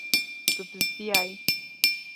Tu bizdiyayî.